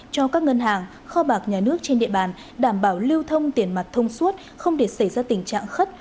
cho các ngân hàng kho bạc nhà nước trên địa bàn đảm bảo lưu thông tiền mặt thông suốt không để xảy ra tình trạng khất